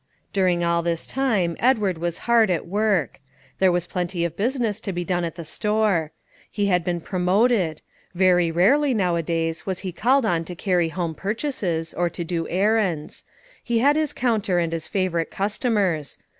During all this time Edward was hard at work; there was plenty of business to be done at the store. He had been promoted; very rarely, now a days, was he called on to carry home purchases, or to do errands. He had his counter and his favourite customers.